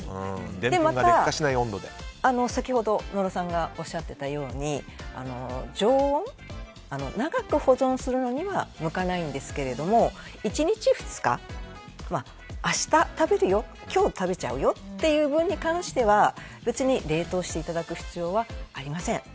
また、先ほど野呂さんがおっしゃってたように常温、長く保存するのには向かないんですけども１日、２日は明日食べるよ、今日食べちゃうよという分に関しては別に、冷凍していただく必要はありません。